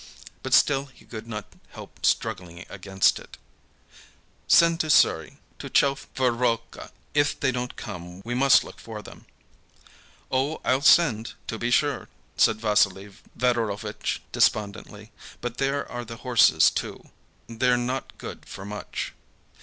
But still he could not help struggling against it. "Send to Sury, to Tchefirovka; if they don't come we must look for them." "Oh, I'll send, to be sure," said Vassily Fedorovitch despondently. "But there are the horses, too, they're not good for much."